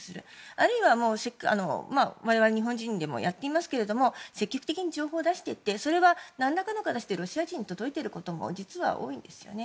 あるいは、我々日本人もやっていますけれども積極的に情報を出していってそれが何らかの形でロシア人に届いていることも実は多いですよね。